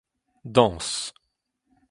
dañs